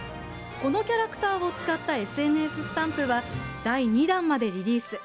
このキャラクターを使ったＳＮＳスタンプは第２弾までリリース。